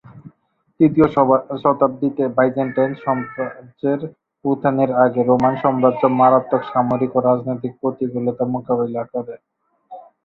তৃতীয় শতাব্দীতে বাইজান্টাইন সম্রাজ্যের উত্থানের আগে রোমান সম্রাজ্য মারাত্মক সামরিক ও রাজনীতিক প্রতিকূলতা মোকাবিলা করে।